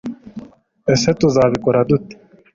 ese tuzabikora dute